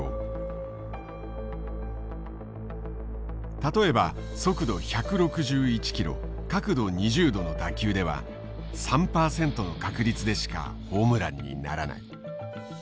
例えば速度１６１キロ角度２０度の打球では３％の確率でしかホームランにならない。